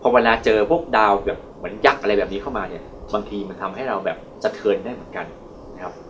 เวลาเจอพวกดาวแบบเหมือนยักษ์อะไรแบบนี้เข้ามาเนี่ยบางทีมันทำให้เราแบบสะเทินได้เหมือนกันนะครับ